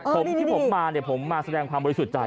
ผมที่ผมมาเนี่ยผมมาแสดงความบริสุทธิ์ใจ